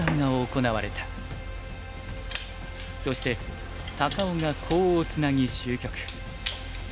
そして高尾がコウをツナぎ終局。